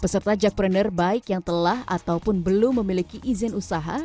peserta jackpreneur baik yang telah ataupun belum memiliki izin usaha